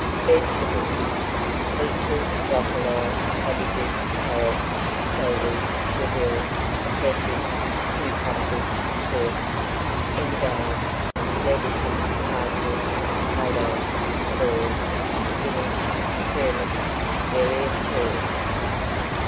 VEGETABLES. Beetroot, broccoli, cabbages, carrots, celery, chervil, cresses, cucumbers (forced), endive, lettuces, parsnips, potatoes, savoys, spinach, turnips, various herbs.